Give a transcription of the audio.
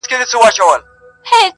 چي یې تاب د هضمېدو نسته وجود کي،